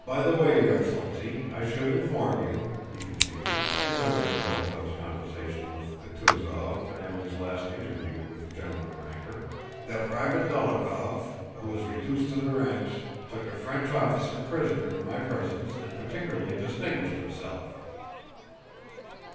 "By the way, your excellency, I should inform you," he continued—remembering Dólokhov's conversation with Kutúzov and his last interview with the gentleman ranker—"that Private Dólokhov, who was reduced to the ranks, took a French officer prisoner in my presence and particularly distinguished himself."